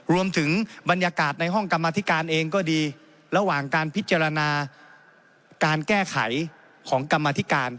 รวมถึงบรรยากาศในห้องกรรมธิการเองก็ดีระหว่างการพิจารณาการแก้ไขของกรรมธิการ